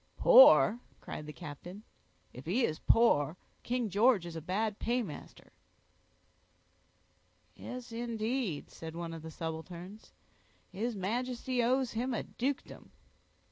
"Poor!" cried the captain. "If he is poor, King George is a bad paymaster." "Yes, indeed," said one of the subalterns, "his Majesty owes him a dukedom."